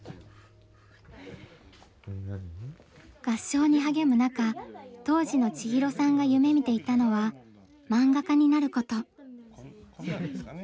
合唱に励む中当時の千尋さんが夢みていたのはマンガ家になること。